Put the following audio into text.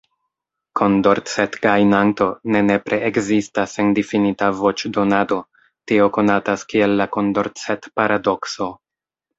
Kondorcet-gajnanto ne nepre ekzistas en difinita voĉdonado, tio konatas kiel la Kondorcet-paradokso.